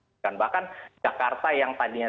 dan bahkan jakarta yang tadinya